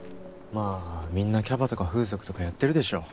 まあみんなキャバとか風俗とかやってるでしょ。